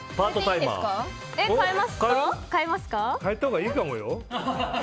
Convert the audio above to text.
変えたほうがいいかもよ。